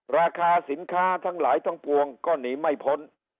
ราคาสินค้าทั้งหลายทั้งปวงก็หนีไม่พ้น